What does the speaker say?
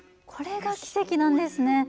これが奇跡なんですね。